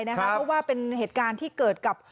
เพราะว่าเป็นเหตุการณ์ที่เกิดกับ